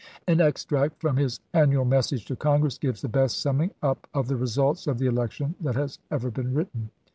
An extract from his annual message to Congress gives the best summing up of the results of the election that has ever been written.